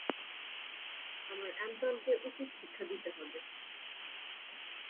আমার এন্টনকে উচিত শিক্ষা দিতে হবে।